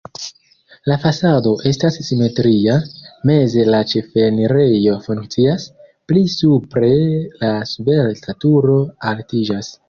La fasado estas simetria, meze la ĉefenirejo funkcias, pli supre la svelta turo altiĝas.